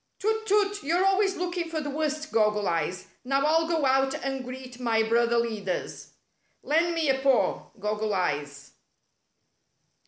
"Tut! Tut! You're always looking for the worst. Goggle Eyes. Now I'll go out and greet my brother leaders. Lend me a paw. Goggle Eyes."